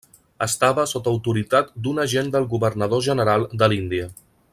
Estava sota autoritat d'un agent del Governador General de l'Índia.